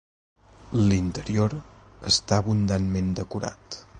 L'interior està abundantment decorat.